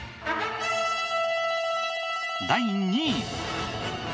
第２位。